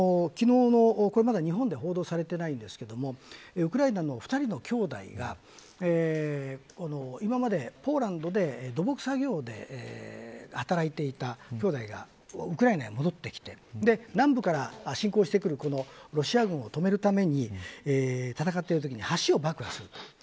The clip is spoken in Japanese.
まだ、日本では報道されていないんですが昨日ウクライナの２人のきょうだいが今までポーランドで土木作業で働いていたきょうだいがウクライナへ戻ってきて南部から侵攻してくるロシア軍を止めるために戦っているときに橋を爆破する。